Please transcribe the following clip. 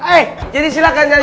eh jadi silahkan nyanyi